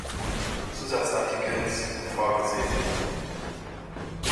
Zusatzartikels vorgesehen.